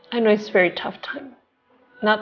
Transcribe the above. aku tahu saat ini sangat sukar